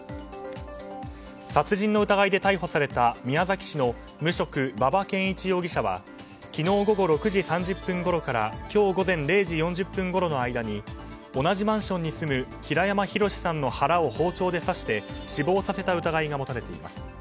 殺人の疑いで逮捕された宮崎市の無職、馬場健一容疑者は昨日午後６時３０分ごろから今日午前０時４０分ごろの間に同じマンションに住む平山弘さんの腹を包丁で刺して死亡させた疑いが持たれています。